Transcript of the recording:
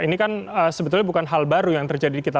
ini kan sebetulnya bukan hal baru yang terjadi kita